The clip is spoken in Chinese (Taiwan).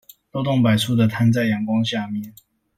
漏洞百出的攤在陽光下面